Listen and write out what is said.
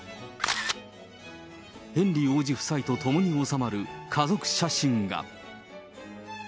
ヘンリー王子夫妻と共におさまる家族写真が。